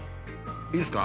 いいですか？